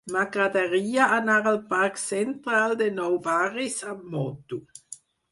M'agradaria anar al parc Central de Nou Barris amb moto.